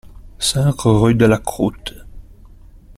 cinq rue de la Croûte